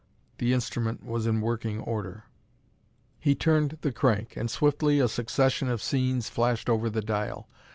The instrument was in working order. He turned the crank, and swiftly a succession of scenes flashed over the dial.